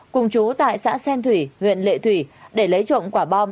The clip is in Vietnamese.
cùng chú tại xã xen thủy huyện lệ thủy để lấy trộm quả bom